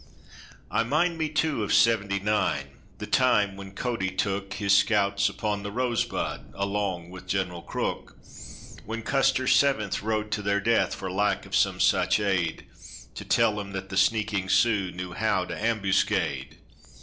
I mind me too of '79, the time when Cody took His scouts upon the Rosebud, along with General Crook; When Custer's Seventh rode to their death for lack of some such aid To tell them that the sneaking Sioux knew how to ambuscade.